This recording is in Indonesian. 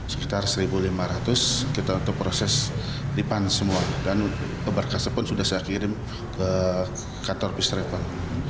sekitar satu lima ratus kita untuk proses lipan semua dan berkasnya pun sudah saya kirim ke kantor first travel